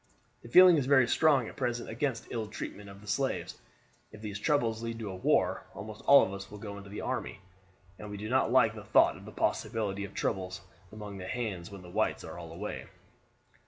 The feeling is very strong at present against ill treatment of the slaves. If these troubles lead to war almost all of us will go into the army, and we do not like the thought of the possibility of troubles among the hands when the whites are all away."